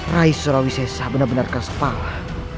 rai surawisesa benar benarkan sepala